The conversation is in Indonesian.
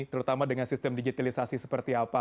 terutama dengan sistem digitalisasi seperti apa